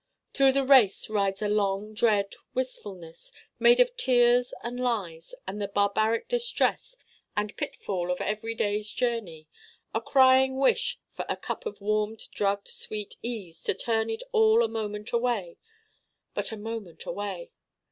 Through the race rides a long dread wistfulness, made of tears and lies and the barbaric distress and pitfall of everyday's journey: a crying wish for a cup of warmed drugged sweet ease to turn it all a moment away: but a moment away.